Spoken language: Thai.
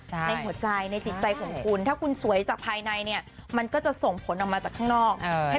ในหัวใจในจิตใจของคุณถ้าคุณสวยจากภายในเนี่ยมันก็จะส่งผลออกมาจากข้างนอก